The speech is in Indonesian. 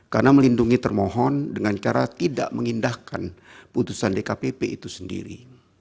karena melindungi termohon dengan cara tidak mengindahkan putusan dkpp itu sendiri